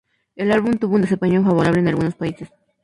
El álbum tuvo un desempeño favorable en algunos países.